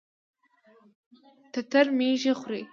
تتر ميږي خوري.